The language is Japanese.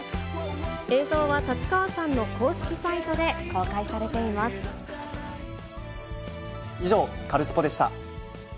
映像は立川さんの公式サイトで公以上、カルスポっ！でした。